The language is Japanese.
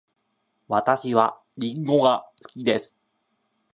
私はりんごが好きです。